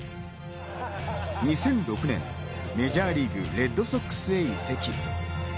２００６年メジャーリーグ、レッドソックスへ移籍。